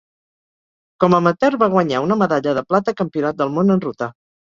Com amateur va guanyar una medalla de plata Campionat del món en ruta.